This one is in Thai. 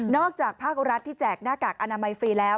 อกจากภาครัฐที่แจกหน้ากากอนามัยฟรีแล้ว